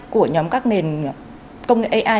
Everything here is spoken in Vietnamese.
của nhóm các nền công nghệ ai